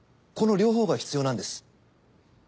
この両方が必要なんです。